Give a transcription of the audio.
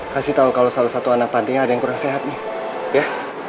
kasih tahu kalau salah satu anak pantinya ada yang kurang sehat nih ya